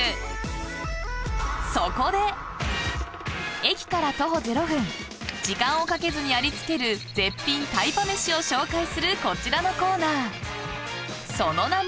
駅から徒歩０分時間をかけずにありつける絶品タイパ飯を紹介するこちらのコーナー、その名も。